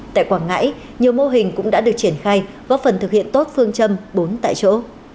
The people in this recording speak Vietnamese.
tại quảng ngãi nhiều mô hình cũng đã được triển khai góp phần thực hiện tốt phương châm bốn tại chỗ